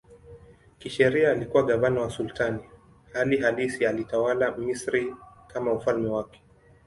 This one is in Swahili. Kisheria alikuwa gavana wa sultani, hali halisi alitawala Misri kama ufalme wake.